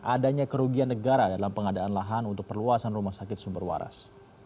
adanya kerugian negara dalam pengadaan lahan untuk perluasan rumah sakit sumber waras